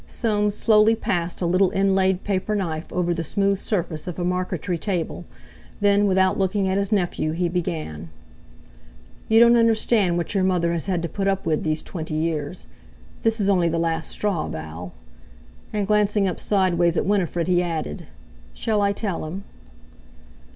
Soames slowly passed a little inlaid paperknife over the smooth surface of a marqueterie table; then, without looking at his nephew, he began: "You don't understand what your mother has had to put up with these twenty years. This is only the last straw, Val." And glancing up sideways at Winifred, he added: "Shall I tell him?"